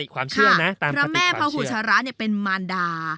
ค่ะพระแม่ภาหุชระเนี่ยเป็นมารดา